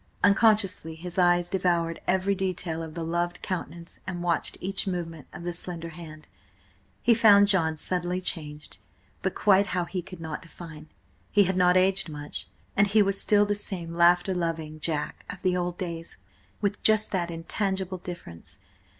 Unconsciously his eyes devoured every detail of the loved countenance and watched each movement of the slender hand. He found John subtly changed, but quite how he could not define. He had not aged much, and he was still the same laughter loving Jack of the old days, with just that intangible difference.